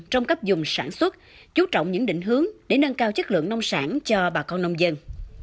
trong cấp dùng sản xuất chú trọng những định hướng để nâng cao chất lượng nông sản cho bà con nông dân